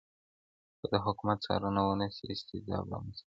که د حکومت څارنه ونه سي استبداد رامنځته کېږي.